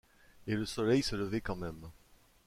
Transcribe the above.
Et le soleil s'est levé quand même.